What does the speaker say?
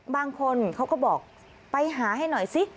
บางคนเขาก็บอกไปหาให้หน่อยสิ